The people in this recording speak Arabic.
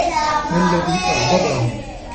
مالذي أغضبهم؟